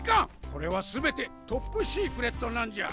これはすべてトップシークレットなんじゃ。